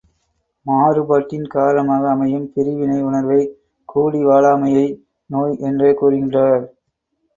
மாறுபாட்டின் காரணமாக அமையும் பிரிவினை உணர்வை கூடிவாழாமையை நோய் என்றே கூறுகின்றார்.